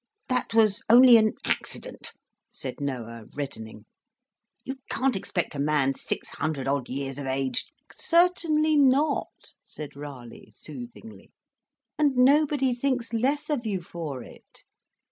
"That was only an accident," said Noah, reddening. "You can't expect a man six hundred odd years of age " "Certainly not," said Raleigh, soothingly, "and nobody thinks less of you for it.